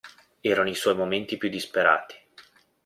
Erano i suoi momenti più disperati.